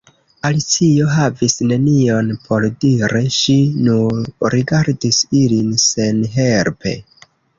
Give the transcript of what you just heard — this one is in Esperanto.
Alicio havis nenion por diri; ŝi nur rigardis ilin senhelpe.